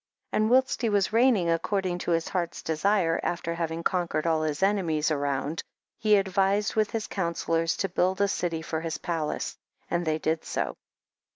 42. And whilst he was reigning according to his heart's desire, after having conquered all his enemies around, he advised with his counsel lors to build a city for his palace, and they did so.